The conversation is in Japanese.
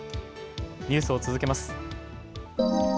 ニュースを続けます。